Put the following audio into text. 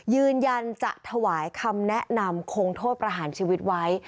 ยืนยันจะถวายคำแนะนำคงโทษประหารชีวิตไว้